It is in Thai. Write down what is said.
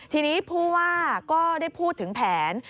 ทีนี้ผู้ว่าก็ได้พูดถึงแผน